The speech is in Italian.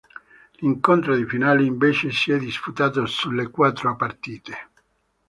L'incontro di finale invece si è disputato sulle quattro partite.